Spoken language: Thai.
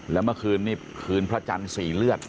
แล้วเมื่อคืนนี้คืนพระจันทร์๔เลือด